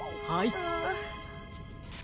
はい！